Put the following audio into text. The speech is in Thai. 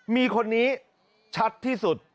มีคนนี้ชัดที่สุด